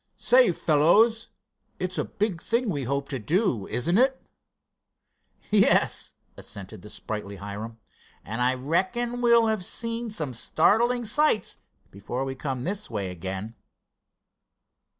"Say, fellows, it's a big thing we hope to do; isn't it?" "Yes," assented the sprightly Hiram; "and I reckon we'll have seen some startling sights before we come this way again."